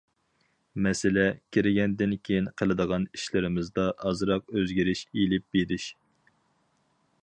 مەسىلە، كىرگەندىن كېيىن قىلىدىغان ئىشلىرىمىزدا ئازراق ئۆزگىرىش ئېلىپ بېرىش.